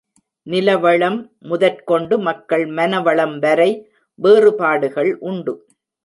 நிலவளம் முதற்கொண்டு மக்கள் மனவளம் வரை வேறுபாடுகள் உண்டு.